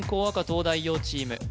赤東大王チーム